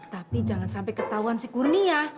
tapi jangan sampai ketahuan si kurnia